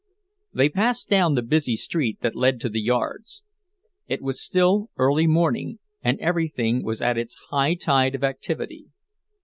They passed down the busy street that led to the yards. It was still early morning, and everything was at its high tide of activity.